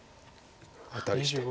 アタリして。